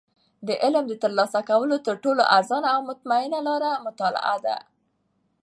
د علم د ترلاسه کولو تر ټولو ارزانه او ډاډمنه لاره مطالعه ده.